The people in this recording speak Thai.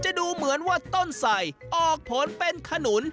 ดูเหมือนว่าต้นไสออกผลเป็นขนุน